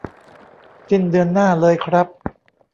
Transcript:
สิ้นเดือนหน้าเลยครับ